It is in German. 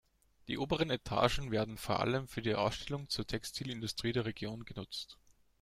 Die oberen Etagen werden vor allem für die Ausstellung zur Textilindustrie der Region genutzt.